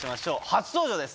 初登場です